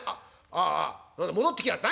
ああ戻ってきやがった。